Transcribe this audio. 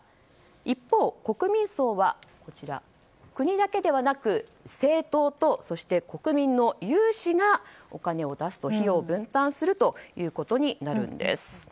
一方、国民葬は国だけではなく政党と国民の有志がお金を出す、費用を分担することになるんです。